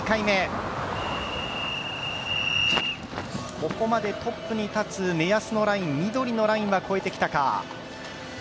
ここまでトップに立つ目安のライン緑のラインは越えてきたか。